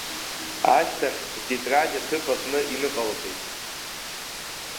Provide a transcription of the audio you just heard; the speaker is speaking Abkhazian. Ашьҭахь лтетрад аҭыԥ аҟны иныҟалҵеит.